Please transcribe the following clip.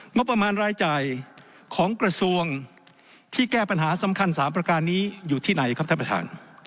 งบประมาณรายจ่ายของกระทรวงที่แก้ปัญหาสำคัญ๓ประการนี้อยู่ที่ไหนครับท่านประธาน